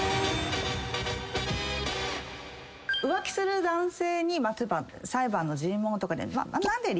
浮気する男性に裁判の尋問とかで。